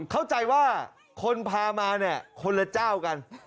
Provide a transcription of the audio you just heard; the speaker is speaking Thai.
เข้าใจว่าคนพามาเนี่ยคนละเจ้ากัน